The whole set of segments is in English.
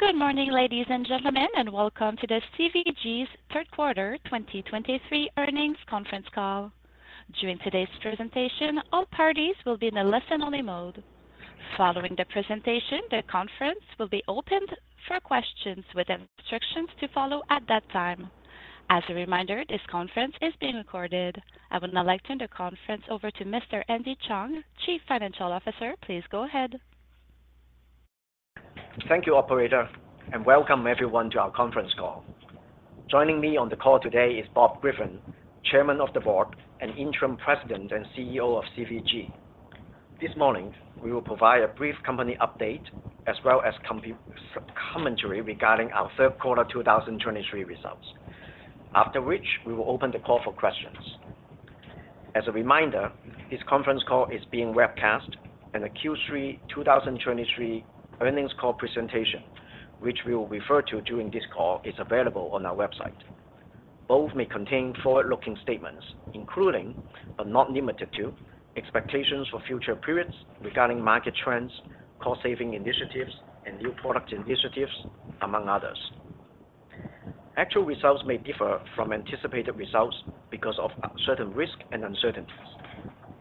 Good morning, ladies and gentlemen, and welcome to the CVG's third quarter 2023 earnings conference call. During today's presentation, all parties will be in a listen-only mode. Following the presentation, the conference will be opened for questions with instructions to follow at that time. As a reminder, this conference is being recorded. I would now like to turn the conference over to Mr. Andy Cheung, Chief Financial Officer. Please go ahead. Thank you, operator, and welcome everyone to our conference call. Joining me on the call today is Bob Griffin, Chairman of the Board and Interim President and CEO of CVG. This morning, we will provide a brief company update as well as commentary regarding our third quarter 2023 results. After which, we will open the call for questions. As a reminder, this conference call is being webcast and a Q3 2023 earnings call presentation, which we will refer to during this call, is available on our website. Both may contain forward-looking statements, including, but not limited to, expectations for future periods regarding market trends, cost-saving initiatives, and new product initiatives, among others. Actual results may differ from anticipated results because of certain risks and uncertainties.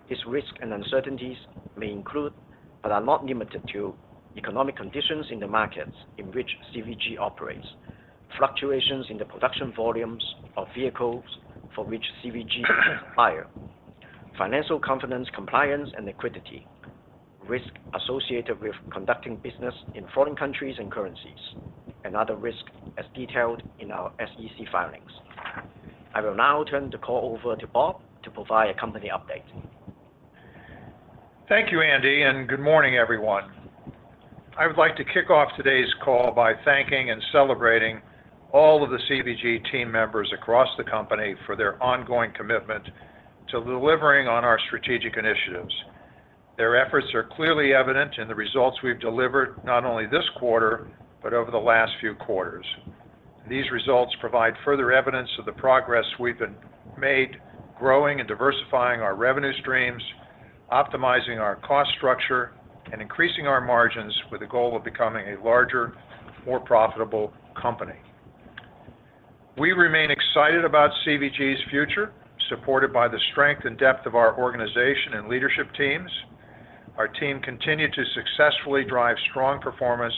These risks and uncertainties may include, but are not limited to, economic conditions in the markets in which CVG operates, fluctuations in the production volumes of vehicles for which CVG is a supplier, financial confidence, compliance and liquidity, risk associated with conducting business in foreign countries and currencies, and other risks as detailed in our SEC filings. I will now turn the call over to Bob to provide a company update. Thank you, Andy, and good morning, everyone. I would like to kick off today's call by thanking and celebrating all of the CVG team members across the company for their ongoing commitment to delivering on our strategic initiatives. Their efforts are clearly evident in the results we've delivered, not only this quarter, but over the last few quarters. These results provide further evidence of the progress we've been made, growing and diversifying our revenue streams, optimizing our cost structure, and increasing our margins with the goal of becoming a larger, more profitable company. We remain excited about CVG's future, supported by the strength and depth of our organization and leadership teams. Our team continued to successfully drive strong performance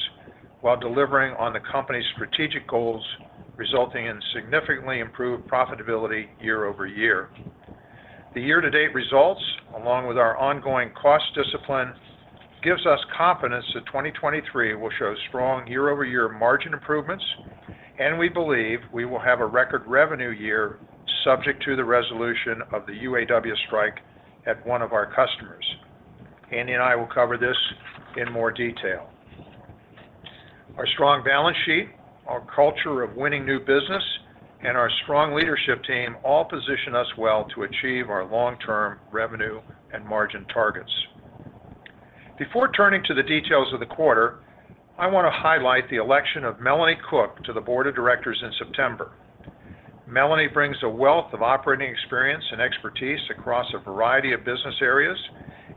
while delivering on the company's strategic goals, resulting in significantly improved profitability year-over-year. The year-to-date results, along with our ongoing cost discipline, gives us confidence that 2023 will show strong year-over-year margin improvements, and we believe we will have a record revenue year, subject to the resolution of the UAW strike at one of our customers. Andy and I will cover this in more detail. Our strong balance sheet, our culture of winning new business, and our strong leadership team all position us well to achieve our long-term revenue and margin targets. Before turning to the details of the quarter, I want to highlight the election of Melanie Cook to the board of directors in September. Melanie brings a wealth of operating experience and expertise across a variety of business areas,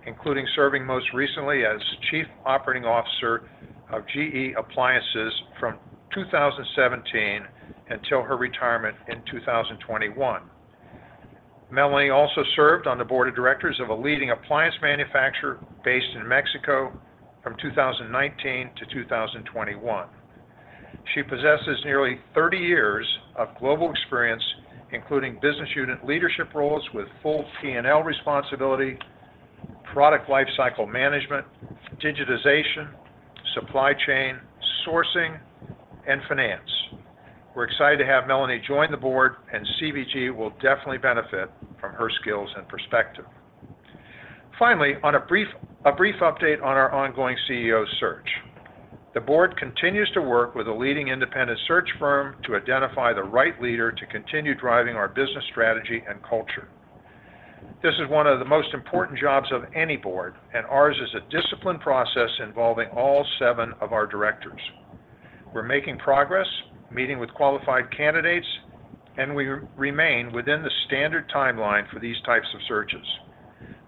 including serving most recently as Chief Operating Officer of GE Appliances from 2017 until her retirement in 2021. Melanie also served on the board of directors of a leading appliance manufacturer based in Mexico from 2019 to 2021. She possesses nearly 30 years of global experience, including business unit leadership roles with full P&L responsibility, product lifecycle management, digitization, supply chain, sourcing, and finance. We're excited to have Melanie join the board, and CVG will definitely benefit from her skills and perspective. Finally, on a brief update on our ongoing CEO search. The board continues to work with a leading independent search firm to identify the right leader to continue driving our business strategy and culture. This is one of the most important jobs of any board, and ours is a disciplined process involving all seven of our directors. We're making progress, meeting with qualified candidates, and we remain within the standard timeline for these types of searches.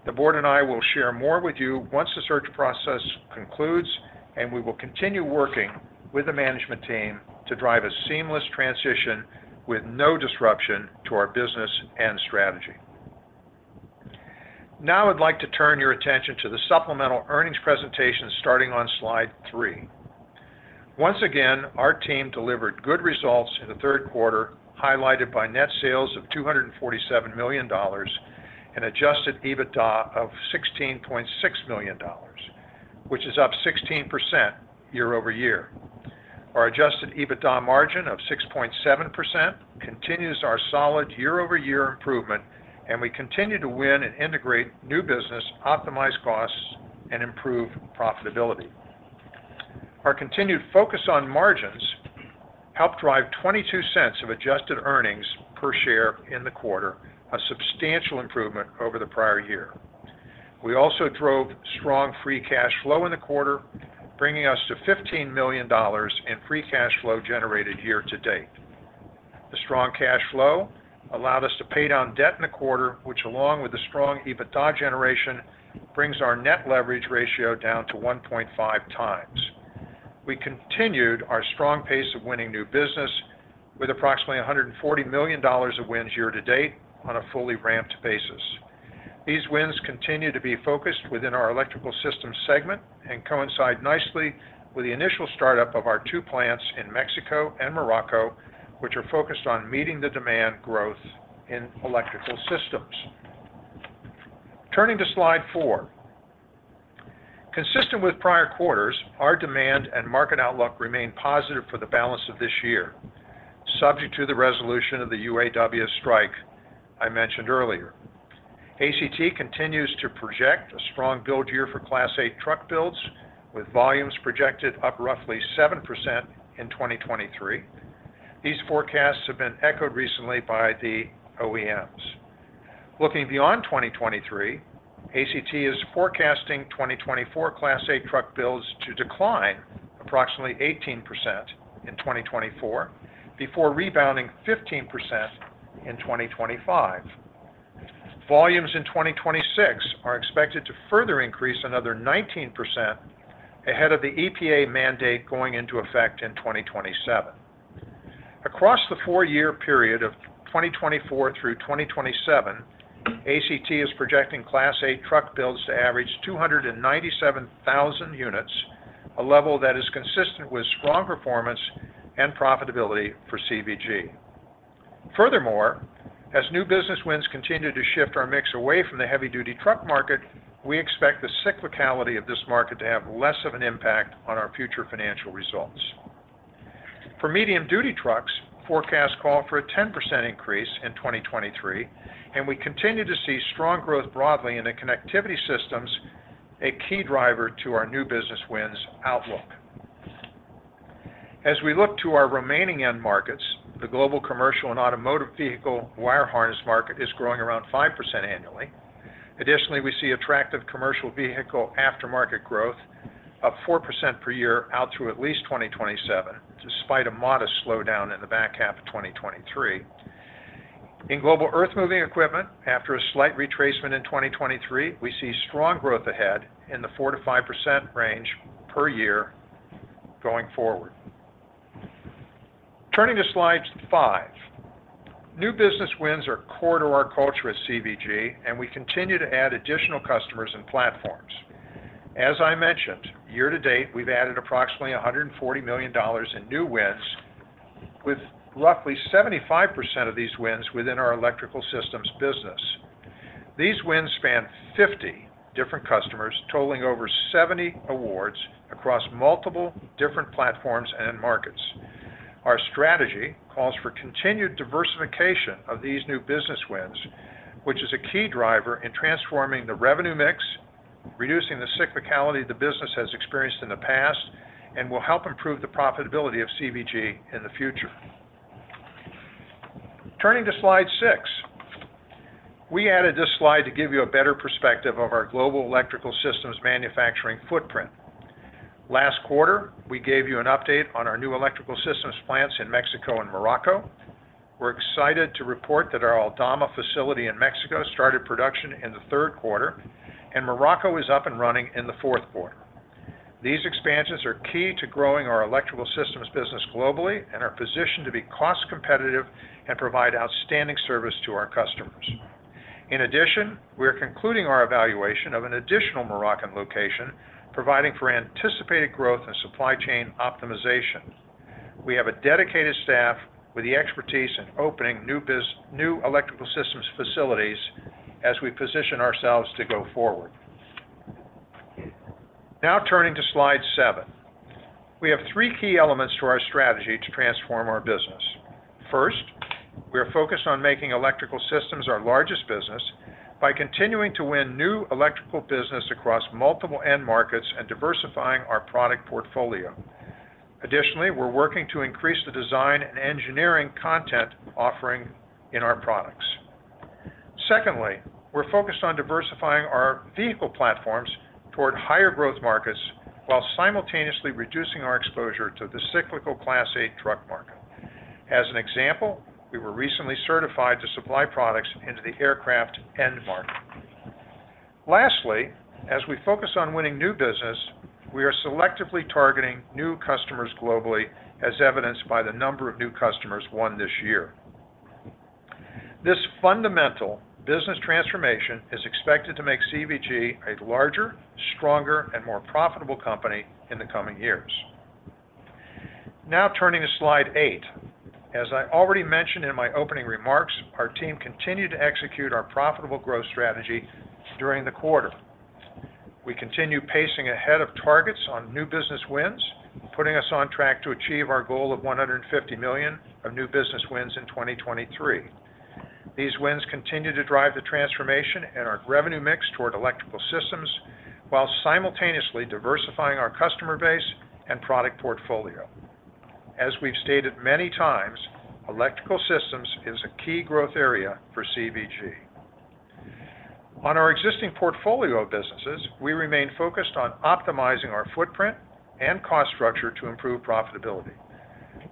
The board and I will share more with you once the search process concludes, and we will continue working with the management team to drive a seamless transition with no disruption to our business and strategy. Now, I'd like to turn your attention to the supplemental earnings presentation, starting on slide three. Once again, our team delivered good results in the third quarter, highlighted by net sales of $247 million and Adjusted EBITDA of $16.6 million, which is up 16% year-over-year. Our Adjusted EBITDA margin of 6.7% continues our solid year-over-year improvement, and we continue to win and integrate new business, optimize costs, and improve profitability. Our continued focus on margins helped drive $0.22 of adjusted earnings per share in the quarter, a substantial improvement over the prior year. We also drove strong free cash flow in the quarter, bringing us to $15 million in free cash flow generated year to date. The strong cash flow allowed us to pay down debt in the quarter, which, along with the strong EBITDA generation, brings our net leverage ratio down to 1.5x. We continued our strong pace of winning new business with approximately $140 million of wins year to date on a fully ramped basis. These wins continue to be focused within our Electrical Systems segment and coincide nicely with the initial startup of our two plants in Mexico and Morocco, which are focused on meeting the demand growth in electrical systems. Turning to slide four. Consistent with prior quarters, our demand and market outlook remain positive for the balance of this year, subject to the resolution of the UAW strike I mentioned earlier. ACT continues to project a strong build year for Class 8 truck builds, with volumes projected up roughly 7% in 2023. These forecasts have been echoed recently by the OEMs. Looking beyond 2023, ACT is forecasting 2024 Class 8 truck builds to decline approximately 18% in 2024, before rebounding 15% in 2025. Volumes in 2026 are expected to further increase another 19% ahead of the EPA mandate going into effect in 2027. Across the four-year period of 2024 through 2027, ACT is projecting Class 8 truck builds to average 297,000 units, a level that is consistent with strong performance and profitability for CVG. Furthermore, as new business wins continue to shift our mix away from the heavy-duty truck market, we expect the cyclicality of this market to have less of an impact on our future financial results. For medium-duty trucks, forecasts call for a 10% increase in 2023, and we continue to see strong growth broadly in the connectivity systems, a key driver to our new business wins outlook. As we look to our remaining end markets, the global commercial and automotive vehicle wire harness market is growing around 5% annually. Additionally, we see attractive commercial vehicle aftermarket growth of 4% per year out through at least 2027, despite a modest slowdown in the back half of 2023. In global earthmoving equipment, after a slight retracement in 2023, we see strong growth ahead in the 4%-5% range per year going forward. Turning to slide five. New business wins are core to our culture at CVG, and we continue to add additional customers and platforms. As I mentioned, year to date, we've added approximately $140 million in new wins, with roughly 75% of these wins within our Electrical Systems business. These wins span 50 different customers, totaling over 70 awards across multiple different platforms and end markets. Our strategy calls for continued diversification of these new business wins, which is a key driver in transforming the revenue mix, reducing the cyclicality the business has experienced in the past, and will help improve the profitability of CVG in the future. Turning to slide six. We added this slide to give you a better perspective of our global electrical systems manufacturing footprint. Last quarter, we gave you an update on our new electrical systems plants in Mexico and Morocco. We're excited to report that our Aldama facility in Mexico started production in the third quarter, and Morocco is up and running in the fourth quarter. These expansions are key to growing our electrical systems business globally and are positioned to be cost-competitive and provide outstanding service to our customers. In addition, we are concluding our evaluation of an additional Moroccan location, providing for anticipated growth and supply chain optimization. We have a dedicated staff with the expertise in opening new electrical systems facilities as we position ourselves to go forward. Now, turning to slide seven. We have three key elements to our strategy to transform our business. First, we are focused on making electrical systems our largest business by continuing to win new electrical business across multiple end markets and diversifying our product portfolio. Additionally, we're working to increase the design and engineering content offering in our products. Secondly, we're focused on diversifying our vehicle platforms toward higher growth markets while simultaneously reducing our exposure to the cyclical Class 8 truck market. As an example, we were recently certified to supply products into the aircraft end market. Lastly, as we focus on winning new business, we are selectively targeting new customers globally, as evidenced by the number of new customers won this year. This fundamental business transformation is expected to make CVG a larger, stronger, and more profitable company in the coming years. Now, turning to slide eight. As I already mentioned in my opening remarks, our team continued to execute our profitable growth strategy during the quarter. We continue pacing ahead of targets on new business wins, putting us on track to achieve our goal of $150 million of new business wins in 2023. These wins continue to drive the transformation in our revenue mix toward electrical systems, while simultaneously diversifying our customer base and product portfolio. As we've stated many times, electrical systems is a key growth area for CVG. On our existing portfolio of businesses, we remain focused on optimizing our footprint and cost structure to improve profitability.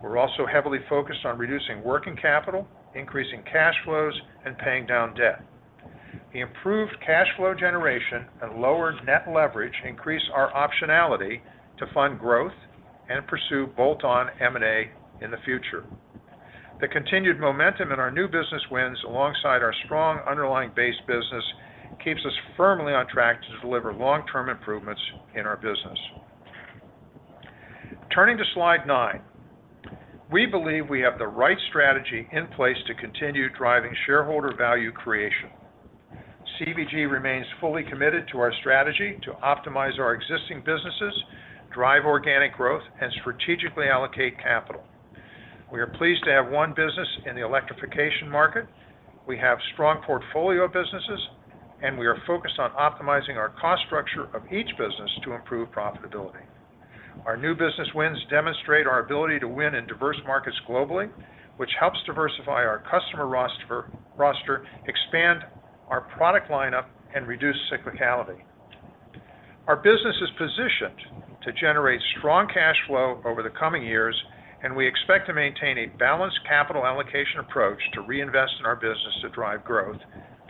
We're also heavily focused on reducing working capital, increasing cash flows, and paying down debt. The improved cash flow generation and lower net leverage increase our optionality to fund growth and pursue bolt-on M&A in the future. The continued momentum in our new business wins, alongside our strong underlying base business, keeps us firmly on track to deliver long-term improvements in our business. Turning to slide nine, we believe we have the right strategy in place to continue driving shareholder value creation. CVG remains fully committed to our strategy to optimize our existing businesses, drive organic growth, and strategically allocate capital. We are pleased to have one business in the electrification market. We have strong portfolio businesses, and we are focused on optimizing our cost structure of each business to improve profitability. Our new business wins demonstrate our ability to win in diverse markets globally, which helps diversify our customer roster, expand our product lineup, and reduce cyclicality. Our business is positioned to generate strong cash flow over the coming years, and we expect to maintain a balanced capital allocation approach to reinvest in our business to drive growth,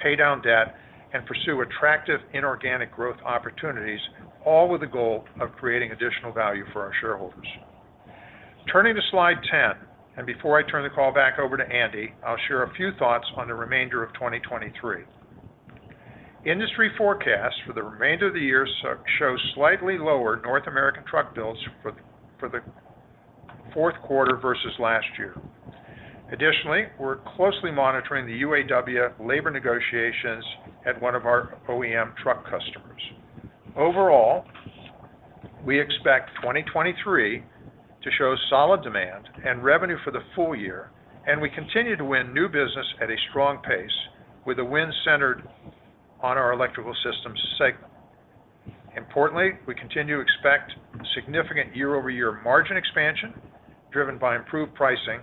pay down debt, and pursue attractive inorganic growth opportunities, all with the goal of creating additional value for our shareholders. Turning to slide 10, and before I turn the call back over to Andy, I'll share a few thoughts on the remainder of 2023. Industry forecasts for the remainder of the year show slightly lower North American truck builds for the fourth quarter versus last year. Additionally, we're closely monitoring the UAW labor negotiations at one of our OEM truck customers. Overall, we expect 2023 to show solid demand and revenue for the full year, and we continue to win new business at a strong pace with the wins centered on our Electrical Systems segment. Importantly, we continue to expect significant year-over-year margin expansion, driven by improved pricing,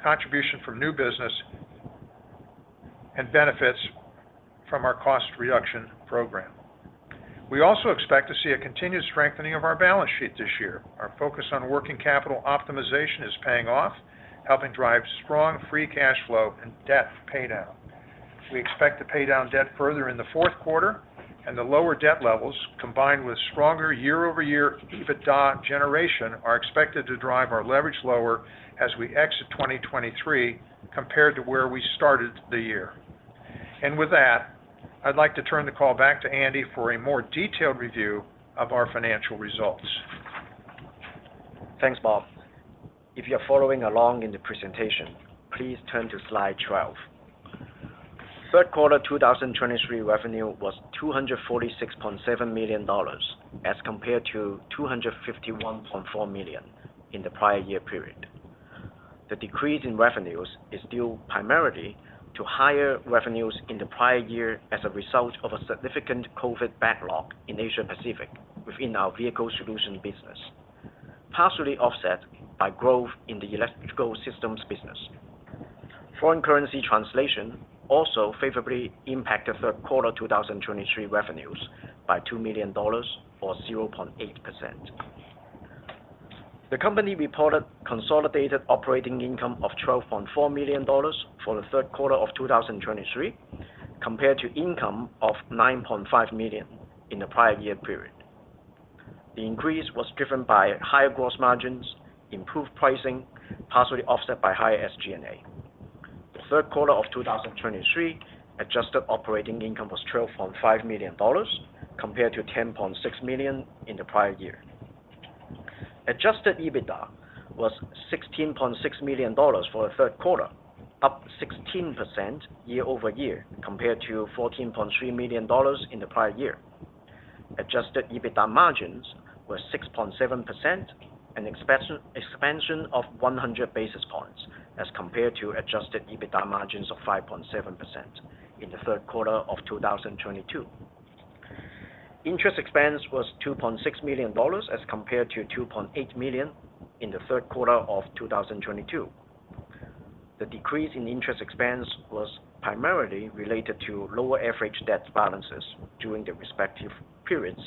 contribution from new business, and benefits from our cost reduction program. We also expect to see a continued strengthening of our balance sheet this year. Our focus on working capital optimization is paying off, helping drive strong free cash flow and debt paydown. We expect to pay down debt further in the fourth quarter, and the lower debt levels, combined with stronger year-over-year EBITDA generation, are expected to drive our leverage lower as we exit 2023, compared to where we started the year. With that, I'd like to turn the call back to Andy for a more detailed review of our financial results. Thanks, Bob. If you're following along in the presentation, please turn to slide 12. Third quarter 2023 revenue was $246.7 million, as compared to $251.4 million in the prior year period. The decrease in revenues is due primarily to higher revenues in the prior year as a result of a significant COVID backlog in Asia Pacific within our Vehicle Solutions business, partially offset by growth in the electrical systems business. Foreign currency translation also favorably impacted third quarter 2023 revenues by $2 million or 0.8%. The company reported consolidated operating income of $12.4 million for the third quarter of 2023, compared to income of $9.5 million in the prior year period. The increase was driven by higher gross margins, improved pricing, partially offset by higher SG&A. The third quarter of 2023 adjusted operating income was $12.5 million, compared to $10.6 million in the prior year. Adjusted EBITDA was $16.6 million for the third quarter, up 16% year-over-year, compared to $14.3 million in the prior year. Adjusted EBITDA margins were 6.7%, an expansion of 100 basis points as compared to adjusted EBITDA margins of 5.7% in the third quarter of 2022. Interest expense was $2.6 million, as compared to $2.8 million in the third quarter of 2022. The decrease in interest expense was primarily related to lower average debt balances during the respective periods,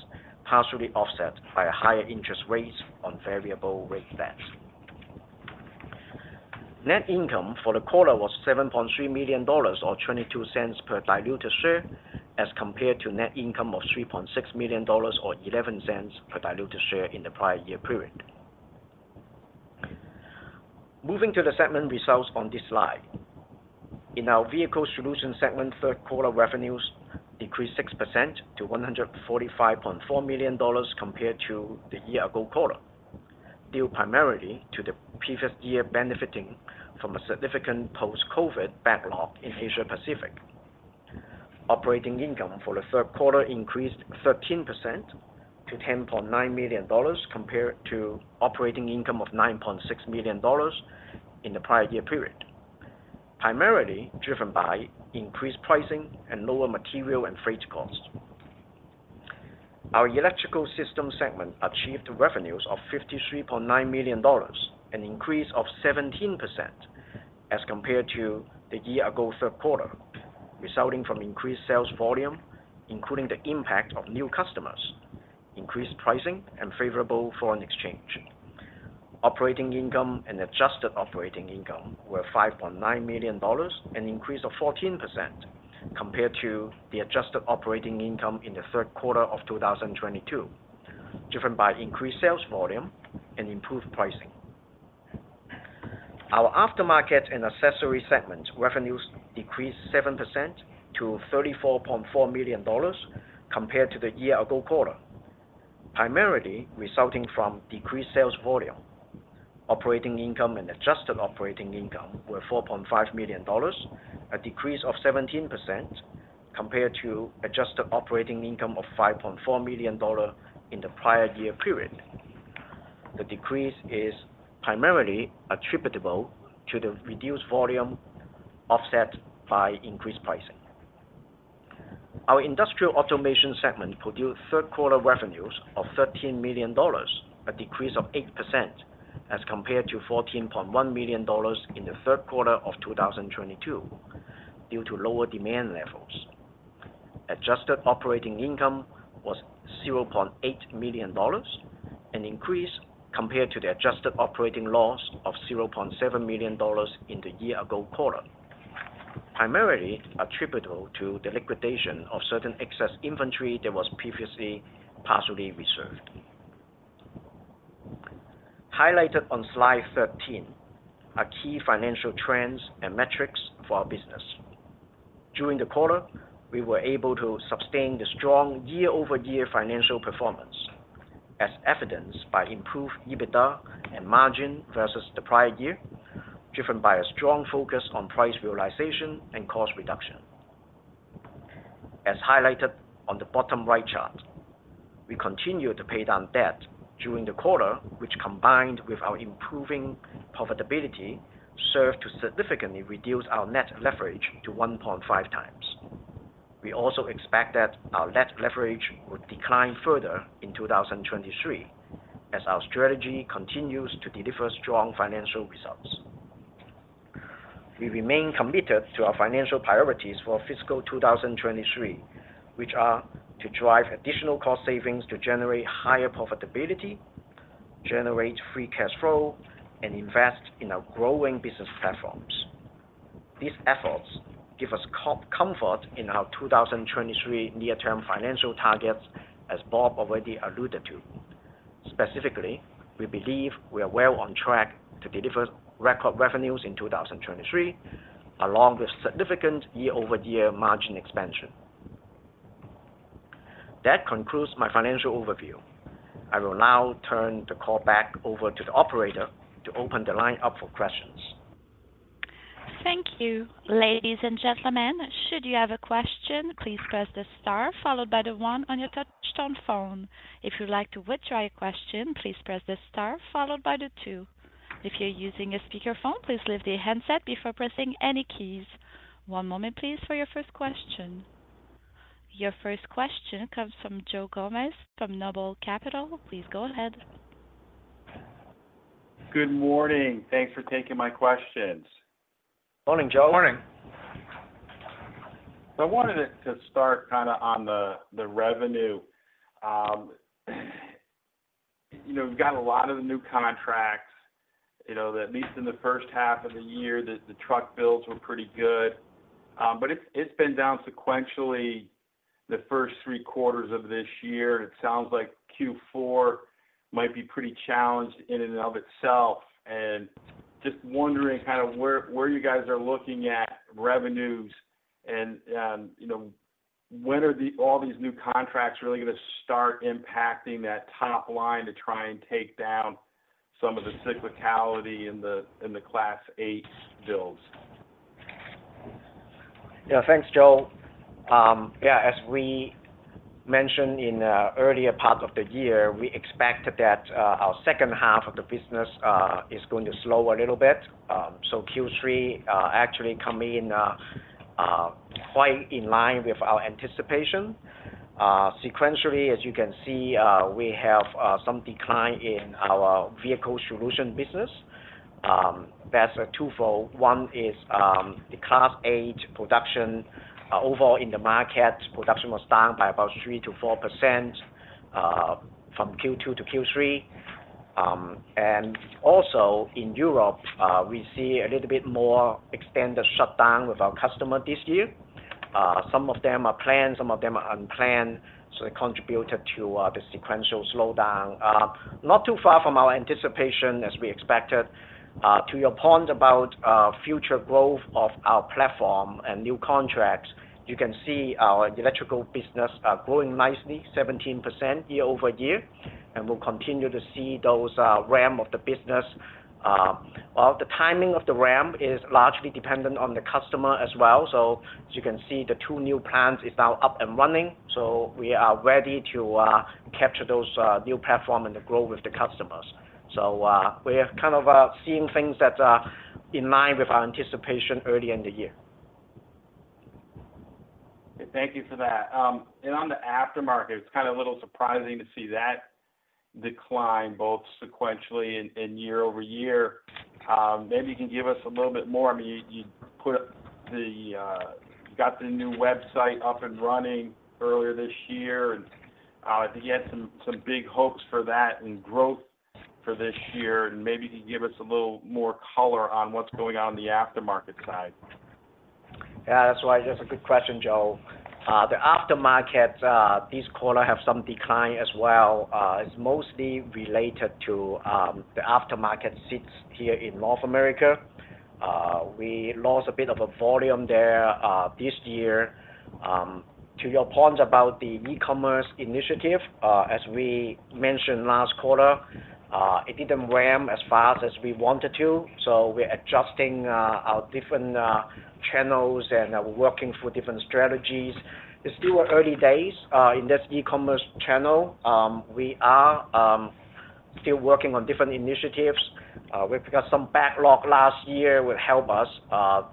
partially offset by higher interest rates on variable rate debts. Net income for the quarter was $7.3 million, or $0.22 per diluted share, as compared to net income of $3.6 million, or $0.11 per diluted share in the prior year period. Moving to the segment results on this slide. In our Vehicle Solutions segment, third quarter revenues decreased 6% to $145.4 million compared to the year-ago quarter, due primarily to the previous year benefiting from a significant post-COVID backlog in Asia Pacific. Operating income for the third quarter increased 13% to $10.9 million, compared to operating income of $9.6 million in the prior year period, primarily driven by increased pricing and lower material and freight costs. Our Electrical System segment achieved revenues of $53.9 million, an increase of 17% as compared to the year-ago third quarter, resulting from increased sales volume, including the impact of new customers, increased pricing, and favorable foreign exchange. Operating income and adjusted operating income were $5.9 million, an increase of 14% compared to the adjusted operating income in the third quarter of 2022, driven by increased sales volume and improved pricing. Our Aftermarket and Accessory segment revenues decreased 7% to $34.4 million compared to the year-ago quarter, primarily resulting from decreased sales volume. Operating income and adjusted operating income were $4.5 million, a decrease of 17% compared to adjusted operating income of $5.4 million in the prior year period. The decrease is primarily attributable to the reduced volume, offset by increased pricing. Our Industrial Automation segment produced third quarter revenues of $13 million, a decrease of 8% as compared to $14.1 million in the third quarter of 2022, due to lower demand levels. Adjusted operating income was $0.8 million, an increase compared to the adjusted operating loss of $0.7 million in the year-ago quarter, primarily attributable to the liquidation of certain excess inventory that was previously partially reserved. Highlighted on slide 13 are key financial trends and metrics for our business. During the quarter, we were able to sustain the strong year-over-year financial performance, as evidenced by improved EBITDA and margin versus the prior year, driven by a strong focus on price realization and cost reduction. As highlighted on the bottom right chart, we continued to pay down debt during the quarter, which, combined with our improving profitability, served to significantly reduce our net leverage to 1.5x. We also expect that our net leverage will decline further in 2023 as our strategy continues to deliver strong financial results. We remain committed to our financial priorities for fiscal 2023, which are: to drive additional cost savings to generate higher profitability, generate free cash flow, and invest in our growing business platforms. These efforts give us confidence in our 2023 near-term financial targets, as Bob already alluded to. Specifically, we believe we are well on track to deliver record revenues in 2023, along with significant year-over-year margin expansion. That concludes my financial overview. I will now turn the call back over to the operator to open the line up for questions. Thank you. Ladies and gentlemen, should you have a question, please press the Star followed by the one on your touchtone phone. If you'd like to withdraw your question, please press the Star followed by the two. If you're using a speakerphone, please lift the handset before pressing any keys. One moment, please, for your first question. Your first question comes from Joe Gomes from Noble Capital. Please go ahead. Good morning. Thanks for taking my questions. Morning, Joe. Morning. So I wanted it to start kind of on the revenue. You know, we've got a lot of the new contracts, you know, that at least in the first half of the year, the truck builds were pretty good. But it's been down sequentially the first three quarters of this year. It sounds like Q4 might be pretty challenged in and of itself. And just wondering how where you guys are looking at revenues and, you know, when are all these new contracts really going to start impacting that top line to try and take down some of the cyclicality in the Class 8 builds? Yeah. Thanks, Joe. Yeah, as we mentioned in earlier part of the year, we expected that our second half of the business is going to slow a little bit. So Q3 actually come in quite in line with our anticipation. Sequentially, as you can see, we have some decline in our Vehicle Solutions business. That's twofold. One is the Class 8 production. Overall, in the market, production was down by about 3%-4% from Q2 to Q3. And also in Europe, we see a little bit more extended shutdown with our customer this year. Some of them are planned, some of them are unplanned, so they contributed to the sequential slowdown. Not too far from our anticipation as we expected. To your point about future growth of our platform and new contracts, you can see our electrical business growing nicely, 17% year-over-year, and we'll continue to see those ramp of the business. Well, the timing of the ramp is largely dependent on the customer as well. So as you can see, the two new plants is now up and running, so we are ready to capture those new platform and grow with the customers. So we are kind of seeing things that are in line with our anticipation early in the year. Thank you for that. And on the aftermarket, it's kind of a little surprising to see that decline, both sequentially and year over year. Maybe you can give us a little bit more. I mean, you got the new website up and running earlier this year, and I think you had some big hopes for that and growth for this year. And maybe you can give us a little more color on what's going on in the aftermarket side. Yeah, that's why. That's a good question, Joe. The aftermarket this quarter have some decline as well. It's mostly related to the aftermarket seats here in North America. We lost a bit of a volume there this year. To your point about the e-commerce initiative, as we mentioned last quarter, it didn't ramp as fast as we wanted to, so we're adjusting our different channels, and we're working through different strategies. It's still early days in this e-commerce channel. We are still working on different initiatives. We've got some backlog last year will help us.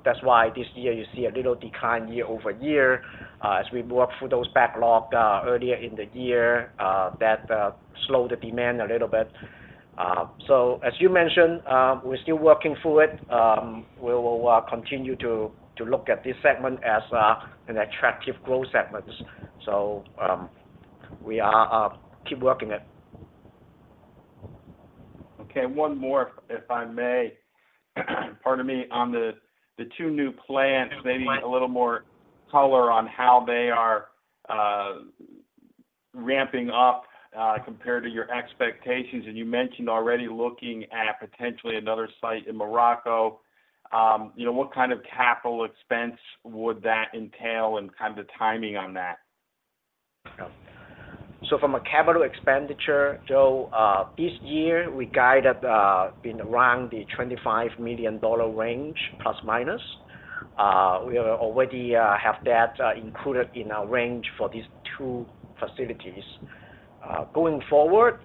That's why this year you see a little decline year-over-year. As we work through those backlog earlier in the year, that slowed the demand a little bit. So as you mentioned, we're still working through it. We will continue to look at this segment as an attractive growth segment. So, we are keep working it. Okay, one more, if I may. Pardon me. On the two new plants- Yeah. Maybe a little more color on how they are ramping up compared to your expectations. You mentioned already looking at potentially another site in Morocco. You know, what kind of capital expense would that entail and kind of the timing on that? So from a capital expenditure, Joe, this year, we guided in around the $25 million range, ±. We already have that included in our range for these two facilities. Going forward,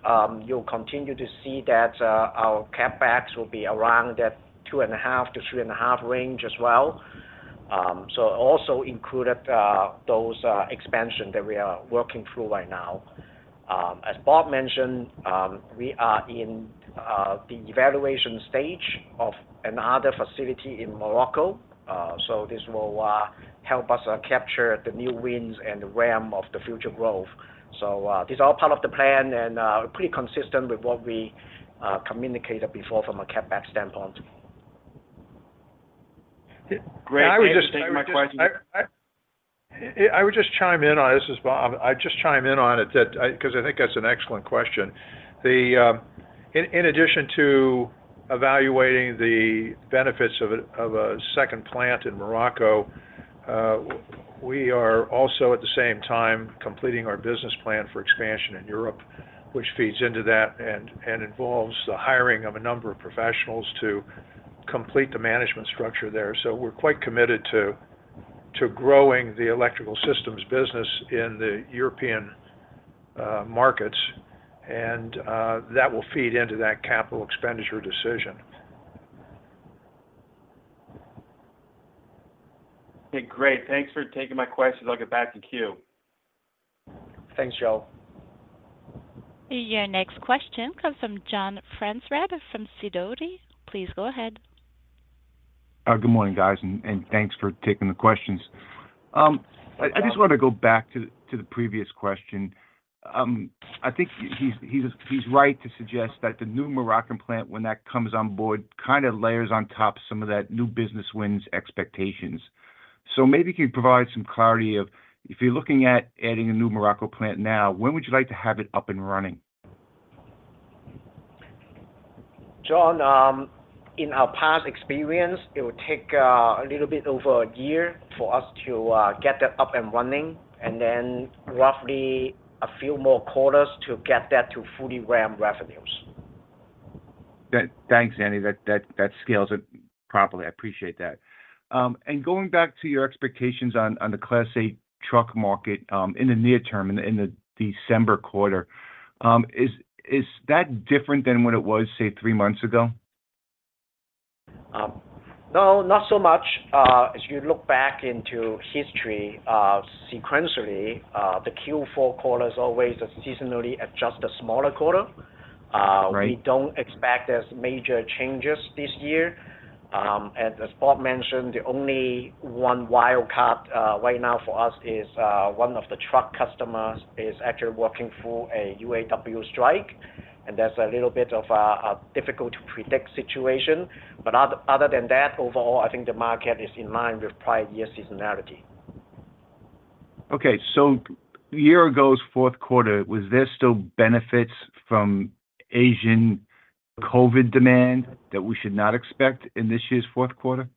you'll continue to see that our CapEx will be around that $2.5-$3.5 million range as well. Also included those expansion that we are working through right now. As Bob mentioned, we are in the evaluation stage of another facility in Morocco. So this will help us capture the new wins and the ramp of the future growth. So this is all part of the plan, and pretty consistent with what we communicated before from a CapEx standpoint. Great. Thank you for taking my question. I would just chime in on. This is Bob. I just chime in on it, because I think that's an excellent question. In addition to evaluating the benefits of a second plant in Morocco, we are also, at the same time, completing our business plan for expansion in Europe, which feeds into that and involves the hiring of a number of professionals to complete the management structure there. So we're quite committed to growing the electrical systems business in the European markets, and that will feed into that capital expenditure decision. Okay, great. Thanks for taking my questions. I'll get back to queue. Thanks, Joe. Your next question comes from John Franzreb from Sidoti. Please go ahead. Good morning, guys, and thanks for taking the questions. I just want to go back to the previous question. I think he's right to suggest that the new Moroccan plant, when that comes on board, kind of layers on top some of that new business wins expectations. So maybe you can provide some clarity of if you're looking at adding a new Morocco plant now, when would you like to have it up and running? John, in our past experience, it would take a little bit over a year for us to get that up and running, and then roughly a few more quarters to get that to fully ramp revenues. Good. Thanks, Andy. That scales it properly. I appreciate that. And going back to your expectations on the Class 8 truck market, in the near term, in the December quarter, is that different than what it was, say, three months ago? No, not so much. As you look back into history, sequentially, the Q4 quarter is always a seasonally adjusted smaller quarter. Right. We don't expect there's major changes this year. And as Bob mentioned, the only one wild card right now for us is one of the truck customers is actually working through a UAW strike, and that's a little bit of a difficult-to-predict situation. But other than that, overall, I think the market is in line with prior year seasonality. Okay. A year ago's fourth quarter, was there still benefits from Asian COVID demand that we should not expect in this year's fourth quarter?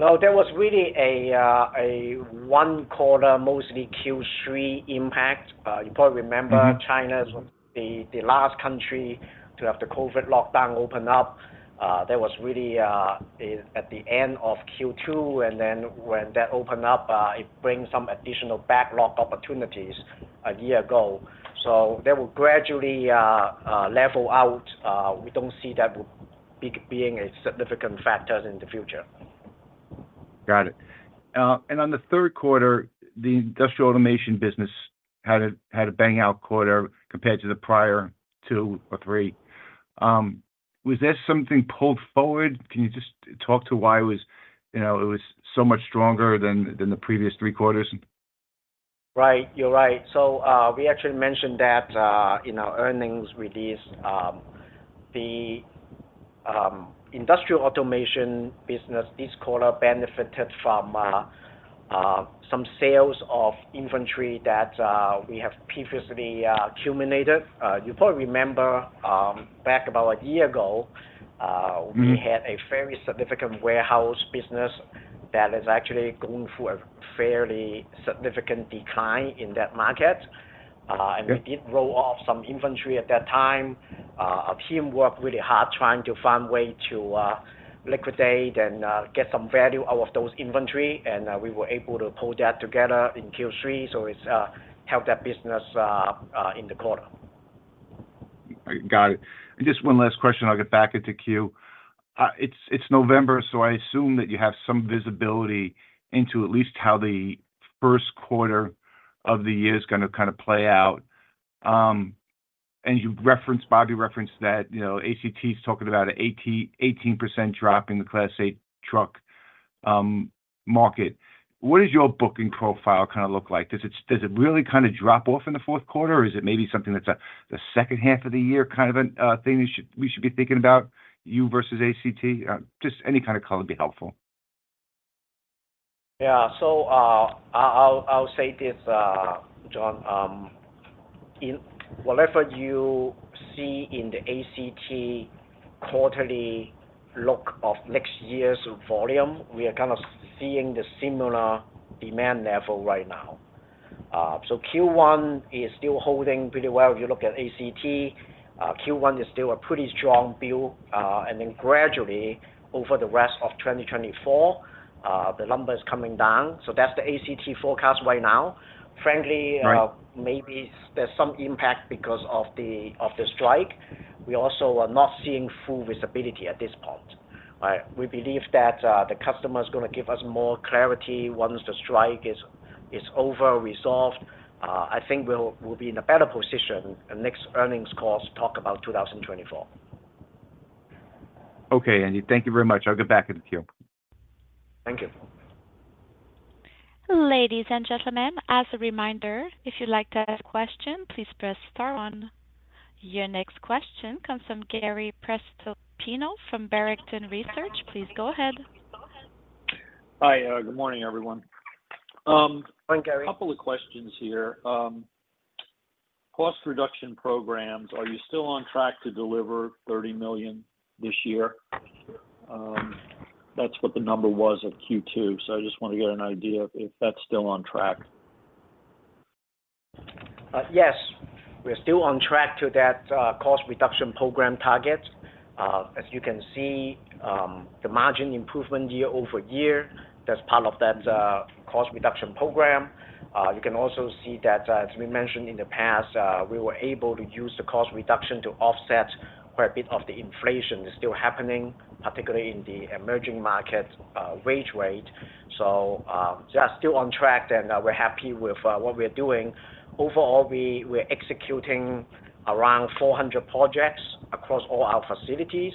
No, there was really a one-quarter, mostly Q3 impact. You probably remember- Mm-hmm. China was the last country to have the COVID lockdown open up. That really is at the end of Q2, and then when that opened up, it brings some additional backlog opportunities a year ago. So that will gradually level out. We don't see that would be being a significant factor in the future. Got it. And on the third quarter, the Industrial Automation business had a bang-up quarter compared to the prior two or three. Was there something pulled forward? Can you just talk to why it was, you know, it was so much stronger than the previous three quarters? Right, you're right. So, we actually mentioned that, in our earnings release. The Industrial Automation business this quarter benefited from, some sales of inventory that, we have previously, accumulated. You probably remember, back about a year ago. Mm-hmm We had a very significant warehouse business that is actually going through a fairly significant decline in that market. Yep. We did roll off some inventory at that time. Our team worked really hard trying to find a way to liquidate and get some value out of that inventory, and we were able to pull that together in Q3, so it's helped that business in the quarter. Got it. And just one last question, I'll get back into queue. It's November, so I assume that you have some visibility into at least how the first quarter of the year is gonna kind of play out. And you referenced, Bobby referenced that, you know, ACT is talking about an 18% drop in the Class 8 truck market. What does your booking profile kind of look like? Does it really kind of drop off in the fourth quarter, or is it maybe something that's the second half of the year kind of a thing we should be thinking about, you versus ACT? Just any kind of color would be helpful. Yeah. So, I'll say this, John. In whatever you see in the ACT quarterly look of next year's volume, we are kind of seeing the similar demand level right now. So Q1 is still holding pretty well. If you look at ACT, Q1 is still a pretty strong build, and then gradually over the rest of 2024, the number is coming down. So that's the ACT forecast right now. Frankly- Right Maybe there's some impact because of the strike. We also are not seeing full visibility at this point, right We believe that the customer is gonna give us more clarity once the strike is over, resolved. I think we'll be in a better position at next earnings call to talk about 2024. Okay, Andy, thank you very much. I'll get back in the queue. Thank you. Ladies and gentlemen, as a reminder, if you'd like to ask a question, please press Star on. Your next question comes from Gary Prestopino from Barrington Research. Please go ahead. Hi, good morning, everyone. Morning, Gary. A couple of questions here. Cost reduction programs, are you still on track to deliver $30 million this year? That's what the number was at Q2, so I just want to get an idea if that's still on track. Yes, we are still on track to that cost reduction program targets. As you can see, the margin improvement year-over-year, that's part of that cost reduction program. You can also see that, as we mentioned in the past, we were able to use the cost reduction to offset quite a bit of the inflation that's still happening, particularly in the emerging markets wage rate. So, yeah, still on track, and we're happy with what we're doing. Overall, we're executing around 400 projects across all our facilities.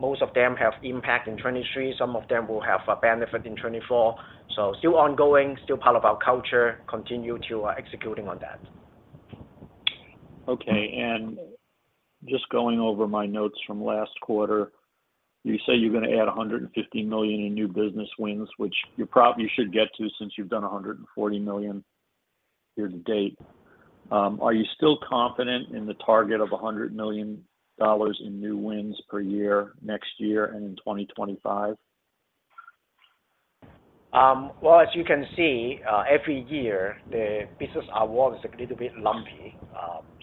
Most of them have impact in 2023, some of them will have a benefit in 2024. So still ongoing, still part of our culture, continue to executing on that. Okay, just going over my notes from last quarter, you say you're gonna add $150 million in new business wins, which you probably should get to since you've done $140 million year to date. Are you still confident in the target of $100 million in new wins per year next year and in 2025? Well, as you can see, every year, the business award is a little bit lumpy.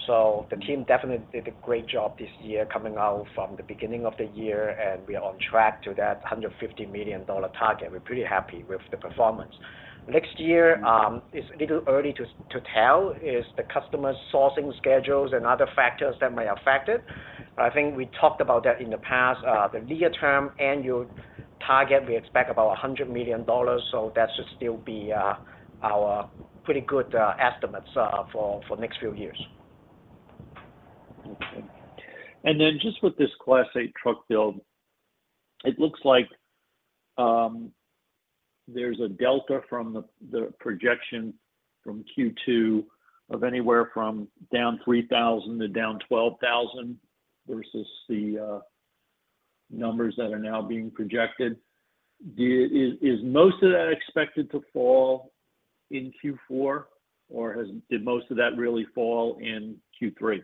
So the team definitely did a great job this year coming out from the beginning of the year, and we are on track to that $150 million target. We're pretty happy with the performance. Next year, it's a little early to tell, it's the customer sourcing schedules and other factors that might affect it. But I think we talked about that in the past. The near-term annual target, we expect about $100 million, so that should still be our pretty good estimates for next few years. Okay. And then just with this Class 8 truck build, it looks like, there's a delta from the projection from Q2 of anywhere from down 3,000 to down 12,000 versus the numbers that are now being projected. Is most of that expected to fall in Q4, or has, did most of that really fall in Q3?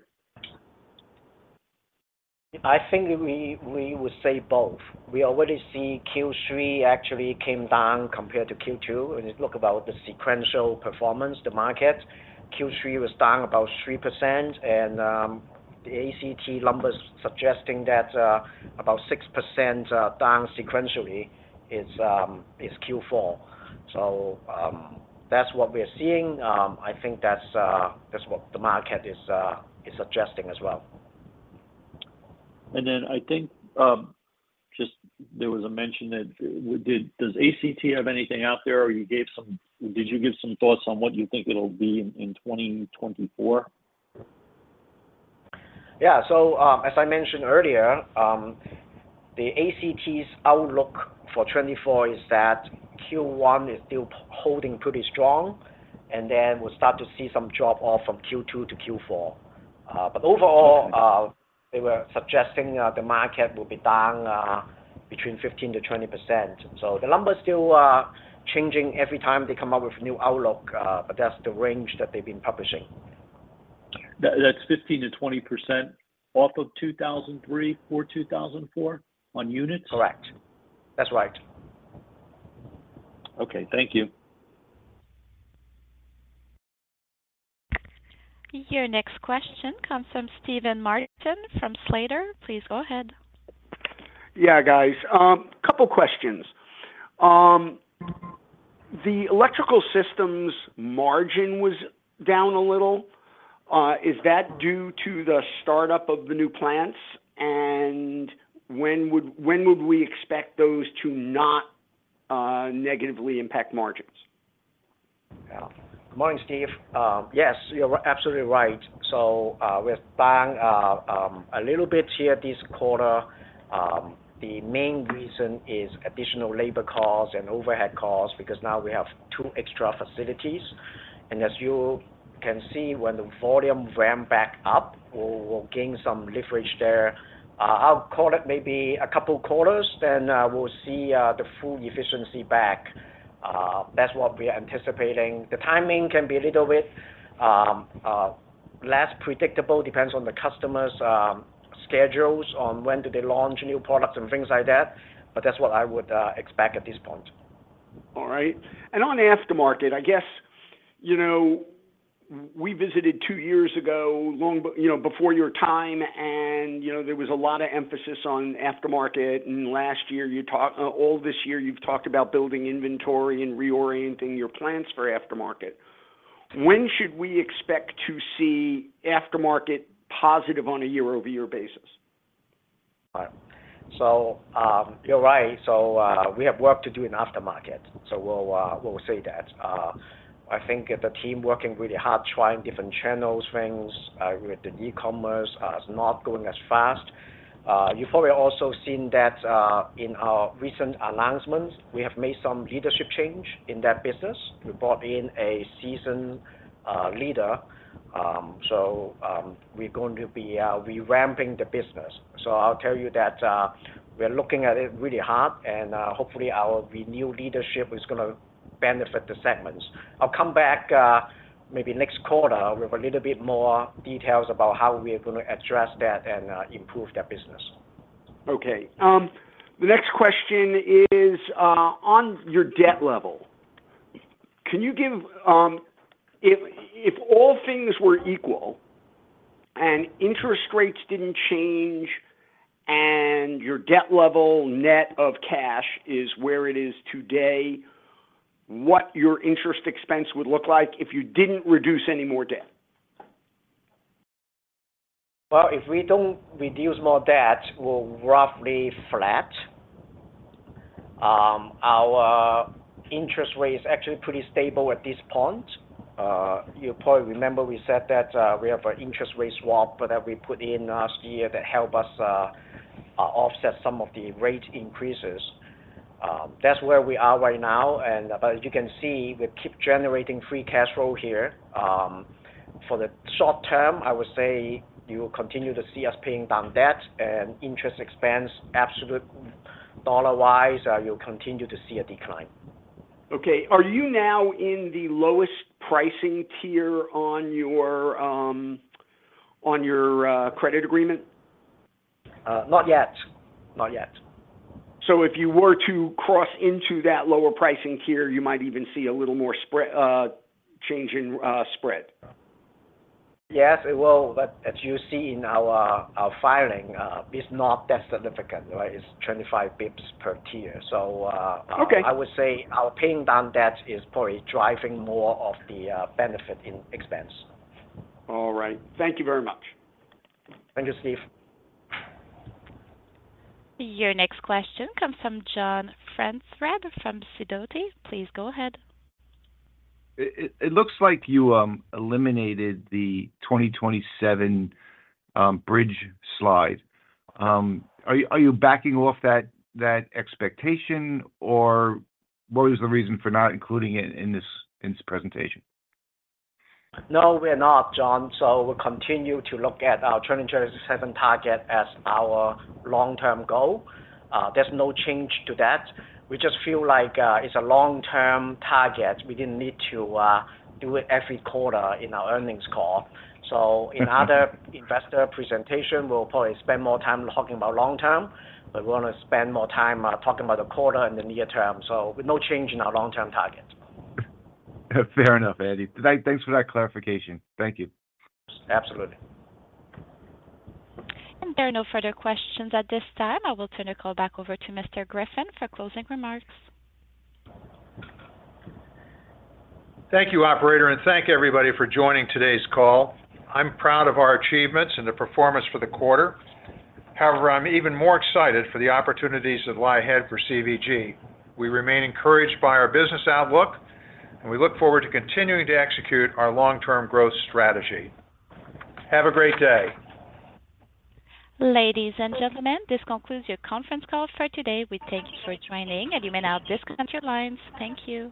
I think we would say both. We already see Q3 actually came down compared to Q2. When you look about the sequential performance, the market, Q3 was down about 3%, and the ACT numbers suggesting that about 6% down sequentially is Q4. So, that's what we're seeing. I think that's what the market is suggesting as well. And then I think, just there was a mention that, does ACT have anything out there, or did you give some thoughts on what you think it'll be in 2024? Yeah. So, as I mentioned earlier, the ACT's outlook for 2024 is that Q1 is still holding pretty strong, and then we'll start to see some drop off from Q2 to Q4. But overall, they were suggesting that the market will be down between 15%-20%. So the numbers still changing every time they come up with a new outlook, but that's the range that they've been publishing. That's 15%-20% off of 2003 or 2004 on units? Correct. That's right. Okay, thank you. Your next question comes from Steven Martin from Slater. Please go ahead. Yeah, guys, couple questions. The electrical systems margin was down a little. Is that due to the startup of the new plants? And when would we expect those to not negatively impact margins? Yeah. Good morning, Steve. Yes, you're absolutely right. So, we're down a little bit here this quarter. The main reason is additional labor costs and overhead costs, because now we have two extra facilities. As you can see, when the volume ramp back up, we'll gain some leverage there. I'll call it maybe a couple quarters, then we'll see the full efficiency back. That's what we are anticipating. The timing can be a little bit less predictable, depends on the customers schedules, on when do they launch new products and things like that, but that's what I would expect at this point. All right. And on aftermarket, I guess, you know, we visited two years ago, long before your time, and, you know, there was a lot of emphasis on aftermarket. And last year, you talked all this year, you've talked about building inventory and reorienting your plans for aftermarket. When should we expect to see aftermarket positive on a year-over-year basis? Right. So, you're right. So, we have work to do in aftermarket. So we'll say that. I think the team working really hard, trying different channels, things with the e-commerce is not going as fast. You've probably also seen that, in our recent announcements, we have made some leadership change in that business. We brought in a seasoned leader, so we're going to be revamping the business. So I'll tell you that, we're looking at it really hard, and hopefully the new leadership is gonna benefit the segments. I'll come back, maybe next quarter with a little bit more details about how we are gonna address that and improve that business. Okay. The next question is on your debt level. Can you give, if all things were equal and interest rates didn't change, and your debt level, net of cash, is where it is today, what your interest expense would look like if you didn't reduce any more debt? Well, if we don't reduce more debt, we're roughly flat. Our interest rate is actually pretty stable at this point. You probably remember we said that we have an interest rate swap that we put in last year that help us offset some of the rate increases. That's where we are right now, and but as you can see, we keep generating free cash flow here. For the short term, I would say you will continue to see us paying down debt and interest expense, absolute dollar-wise, you'll continue to see a decline. Okay. Are you now in the lowest pricing tier on your credit agreement? Not yet. Not yet. If you were to cross into that lower pricing tier, you might even see a little more spread, change in, spread? Yes, it will, but as you see in our, our filing, it's not that significant, right? It's 25 basis points per tier. So, Okay. I would say our paying down debt is probably driving more of the benefit in expense. All right. Thank you very much. Thank you, Steve. Your next question comes from John Franzreb from Sidoti. Please go ahead. It looks like you eliminated the 2027 bridge slide. Are you backing off that expectation, or what is the reason for not including it in this presentation? No, we're not, John. So we'll continue to look at our 2027 target as our long-term goal. There's no change to that. We just feel like, it's a long-term target. We didn't need to, do it every quarter in our earnings call. So in other investor presentation, we'll probably spend more time talking about long term, but we want to spend more time, talking about the quarter and the near term. So with no change in our long-term target. Fair enough, Andy. Thanks for that clarification. Thank you. Absolutely. And there are no further questions at this time. I will turn the call back over to Mr. Griffin for closing remarks. Thank you, operator, and thank everybody for joining today's call. I'm proud of our achievements and the performance for the quarter. However, I'm even more excited for the opportunities that lie ahead for CVG. We remain encouraged by our business outlook, and we look forward to continuing to execute our long-term growth strategy. Have a great day. Ladies and gentlemen, this concludes your conference call for today. We thank you for joining, and you may now disconnect your lines. Thank you.